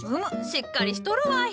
しっかりしとるわい。